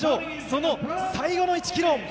その最後の１ｋｍ。